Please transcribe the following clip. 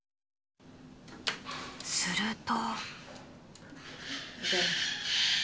すると。